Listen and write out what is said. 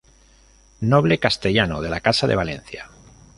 Noble castellano de la Casa de Valencia.